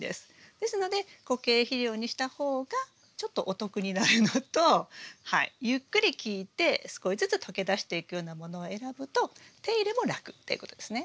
ですので固形肥料にした方がちょっとお得になるのとゆっくり効いて少しずつ溶け出していくようなものを選ぶと手入れも楽っていうことですね。